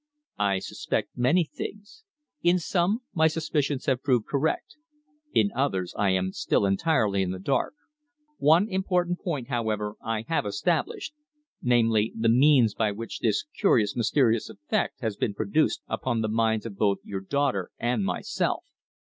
"I suspect many things. In some, my suspicions have proved correct. In others, I am still entirely in the dark. One important point, however, I have established, namely, the means by which this curious, mysterious effect has been produced upon the minds of both your daughter and myself.